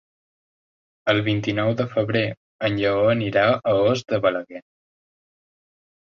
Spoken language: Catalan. El vint-i-nou de febrer en Lleó anirà a Os de Balaguer.